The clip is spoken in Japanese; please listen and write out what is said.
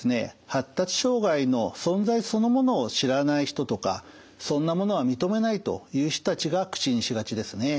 発達障害の存在そのものを知らない人とかそんなものは認めないという人たちが口にしがちですね。